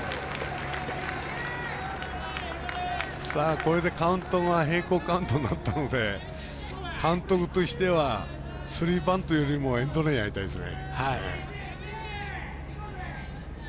これでカウントが並行カウントになったので監督としてはスリーバントよりもエンドランやりたいですね。